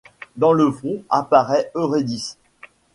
Dans le fond, apparaît Euridice.